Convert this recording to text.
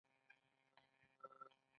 غنم خوړل کیږي خو اوسپنه نه خوړل کیږي.